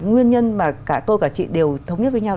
nguyên nhân mà cả tôi cả chị đều thống nhất với nhau